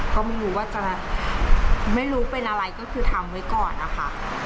ก็ไม่รู้ว่าจะไม่รู้เป็นอะไรก็คือทำไว้ก่อนนะคะ